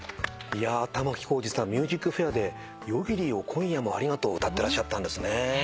いや玉置浩二さん『ＭＵＳＩＣＦＡＩＲ』で『夜霧よ今夜も有難う』を歌ってらっしゃったんですね。